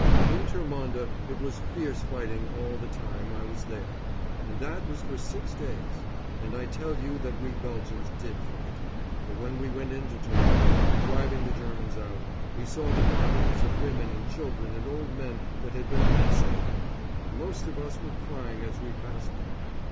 In Termonde it was fierce fighting all the time I was there, and that was for six days. And I tell you that we Belgians did fight; for when we went into Termonde, driving the Germans out, we saw the bodies of women and children and old men that they had massacred and most of us were crying as we passed them.